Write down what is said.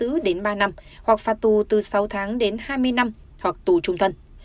hình phạt cải tạo không giam giữ đến ba năm hoặc phạt tù từ sáu tháng đến hai mươi năm hoặc tù trung thân